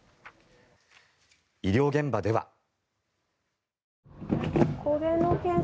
医療現場では。